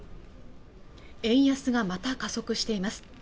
円安がまた加速しています